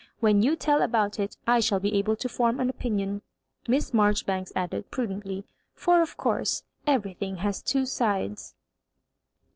When you tell about it, I shall be able to form an opinion," Miss Marjori banks added, prudently; "for of course eveiy thing has two sides."